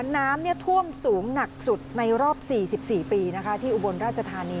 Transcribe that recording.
น้ำท่วมสูงหนักสุดในรอบ๔๔ปีที่อุบลราชธานี